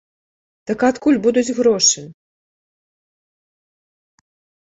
Так адкуль будуць грошы?